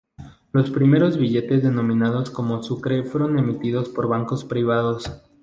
Los primeros billetes denominados como sucre fueron emitidos por bancos privados.